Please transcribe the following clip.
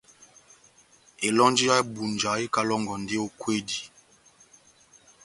Elɔnji yá Ebunja ekalɔngɔndi ó kwedi.